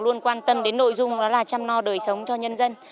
luôn quan tâm đến nội dung đó là chăm no đời sống cho nhân dân